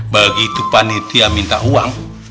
bagi itu panitia minta uang